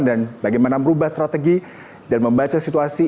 dan bagaimana merubah strategi dan membaca situasi